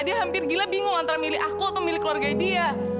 dia hampir gila bingung antara milih aku atau milih keluarga dia